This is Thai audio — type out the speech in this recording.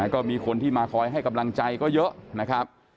ก็มีคนที่มาคอยให้กำลังใจก็เยอะนะครับ